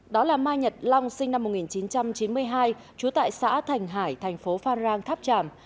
đó là mai nhật long sinh năm một nghìn chín trăm chín mươi hai trú tại xã thành hải thành phố phan rang tháp tràm